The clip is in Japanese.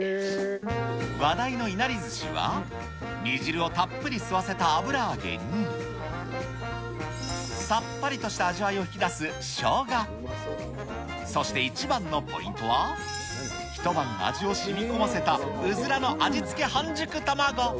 話題のいなりずしは、煮汁をたっぷり吸わせた油揚げに、さっぱりとした味わいを引き出すしょうが、そして一番のポイントは、一晩味をしみこませたうずらの味付け半熟卵。